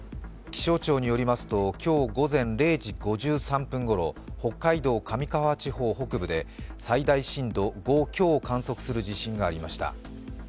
気象庁によりますと今日午前０時５３分ごろ北海道上川地方北部で最大震度５強を観測する地震がありました。